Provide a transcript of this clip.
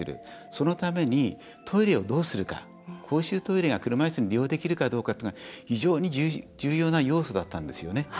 そのために、トイレをどうするか公衆トイレが車いすも利用できるかどうかっていうのは非常に重要な要素だったんですよね。